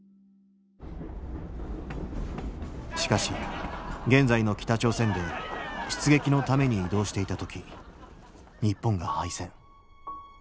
しかし現在の北朝鮮で出撃のために移動していた時日本が敗戦。